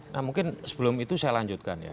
nah mungkin sebelum itu saya lanjutkan ya